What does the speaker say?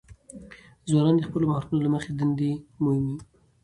ځوانان د خپلو مهارتونو له مخې دندې مومي.